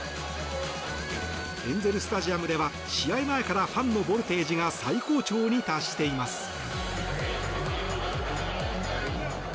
エンゼル・スタジアムでは試合前からファンのボルテージが最高潮に達しています。